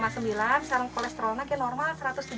sekarang kolesterolnya normal satu ratus tujuh puluh